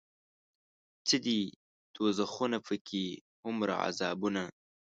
څه دي دوزخونه پکې هومره عذابونه